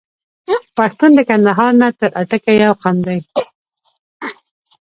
پښتون د کندهار نه تر اټکه یو قوم دی.